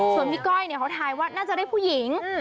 ส่วนพี่ก้อยเขาทายว่าน่าจะได้ผู้หญิง